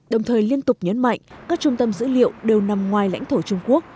đồng thời liên tục nhấn mạnh các trung tâm dữ liệu đều nằm ngoài lãnh thổ trung quốc